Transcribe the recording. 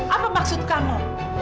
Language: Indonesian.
terbuka komvag neglect